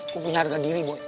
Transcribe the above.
gua punya harga diri boy